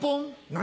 何？